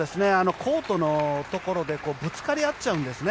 コートのところでぶつかり合っちゃうんですね。